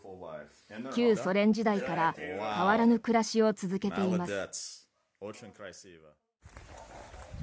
旧ソ連時代から変わらぬ暮らしを続けています。